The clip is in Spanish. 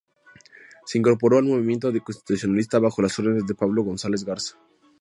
Se incorporó al movimiento constitucionalista bajo las órdenes de Pablo González Garza.